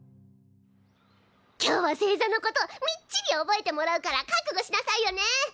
今日は星座のことみっちり覚えてもらうからかくごしなさいよね！